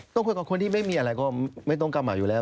คุยกับคนที่ไม่มีอะไรก็ไม่ต้องกำเหมาอยู่แล้ว